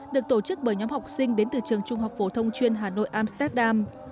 được tổ chức bởi nhóm học sinh đến từ trường trung học phổ thông chuyên hà nội amsterdam